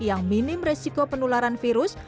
yang minim resiko penularan virus